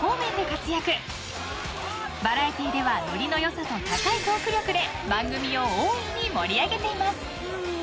［バラエティーではノリの良さと高いトーク力で番組を大いに盛り上げています］